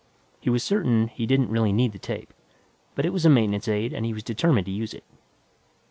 He was certain he didn't really need the tape, but it was a maintenance aid and he was determined to use it.